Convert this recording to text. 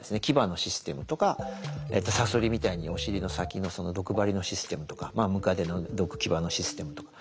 牙のシステムとかサソリみたいにお尻の先の毒針のシステムとかムカデの毒牙のシステムとか。